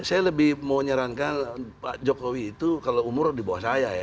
saya lebih mau nyarankan pak jokowi itu kalau umur di bawah saya ya